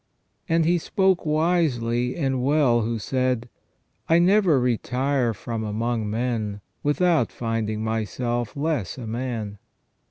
And he spoke wisely and well who said :*' I never retire from among men without finding myself less a man